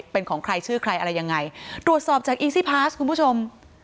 เป็นของใครชื่อใครอะไรยังไงตรวจสอบจากอีซี่พาสคุณผู้ชม